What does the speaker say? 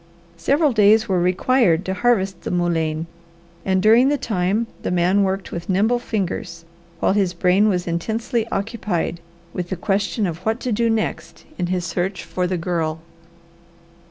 Several days were required to harvest the mullein and during the time the man worked with nimble fingers, while his brain was intensely occupied with the question of what to do next in his search for the Girl.